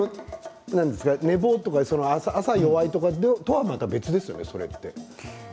寝坊とか朝弱いとかとはまた別ですよね、それって。